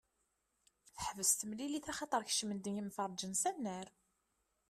Teḥbes temilit axaṭer kecmen-d yemferrĝen s annar.